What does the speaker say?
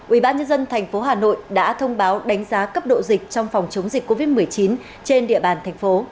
ubnd tp hà nội đã thông báo đánh giá cấp độ dịch trong phòng chống dịch covid một mươi chín trên địa bàn thành phố